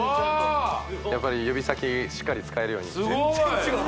やっぱり指先しっかり使えるようにすごい！